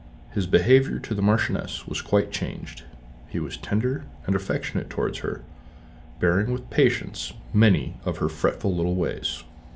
His behaviour to the Marchioness was quite changed: he was tender and affectionate towards her, bearing with patience many of her little fretful ways.